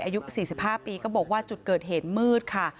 อายุ๔๕ปีก็บอกว่าจุดเกิดเหตุมืดค่ะ